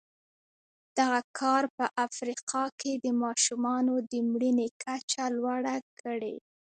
دغه کار په افریقا کې د ماشومانو د مړینې کچه لوړه کړې.